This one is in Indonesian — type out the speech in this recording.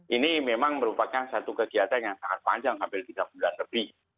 ini memang merupakan satu kegiatan yang sangat panjang hampir tiga bulan lebih